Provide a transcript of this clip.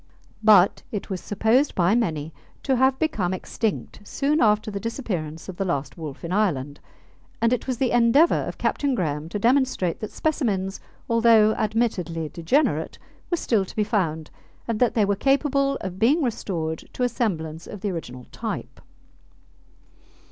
But it was supposed by many to have become extinct soon after the disappearance of the last wolf in Ireland, and it was the endeavour of Captain Graham to demonstrate that specimens, although admittedly degenerate, were still to be found, and that they were capable of being restored to a semblance of the original type.